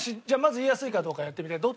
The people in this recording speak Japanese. じゃあまず言いやすいかどうかやってみて。